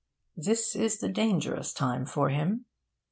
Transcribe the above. Then is the dangerous time for him.